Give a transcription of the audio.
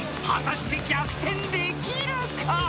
［果たして逆転できるか！？］